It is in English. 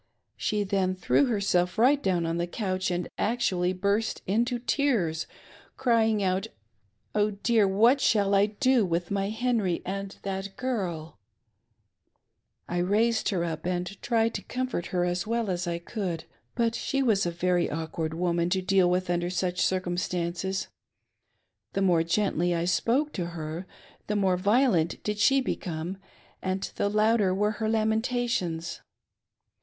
She then threw herself right down on the couch and actually burst into tears, crying out " Oh dear, what shall I do with my Henry and that girl !*' I raised her up and tried to comfort her as well as I could, but she was a very awkward woman to deal with under such circumstances. The more gently I spoke to her, the more violent did she become, and the louder were her lamentations.